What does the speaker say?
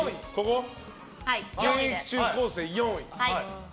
現役中高生の４位。